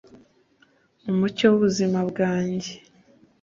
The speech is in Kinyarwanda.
umucyo w'ubuzima bwanjye,